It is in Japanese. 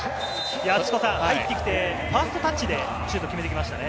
入ってきてファーストタッチでシュートを決めてきましたね。